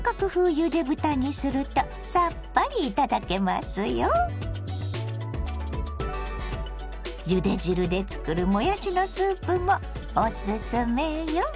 ゆで汁で作るもやしのスープもおすすめよ。